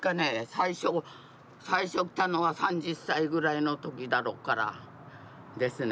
最初最初来たのは３０歳ぐらいの時だろうからですね。